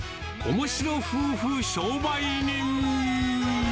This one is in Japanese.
おもしろ夫婦商売人。